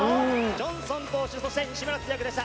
ジョンソン投手そして西村通訳でした。